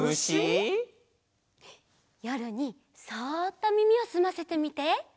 よるにそっとみみをすませてみて。